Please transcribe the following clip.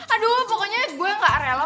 aduh pokoknya gue gak rela